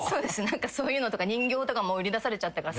何かそういうのとか人形とかも売り出されちゃったから。